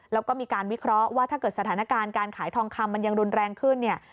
แล้วก็มีการวิเคราะห์ว่าถ้าเกิดสถานการณ์การขายทองคำมันยังรุนแรงขึ้นเนี่ย